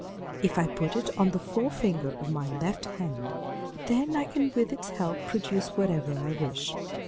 If I put it on the forefinger of my left hand, then I can with its help produce whatever I wish.